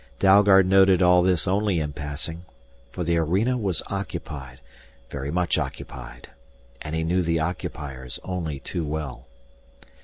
Dalgard noted all this only in passing, for the arena was occupied, very much occupied. And he knew the occupiers only too well.